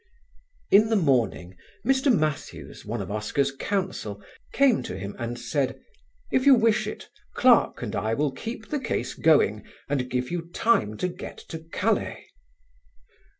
In the morning Mr. Mathews, one of Oscar's counsel, came to him and said: "If you wish it, Clarke and I will keep the case going and give you time to get to Calais."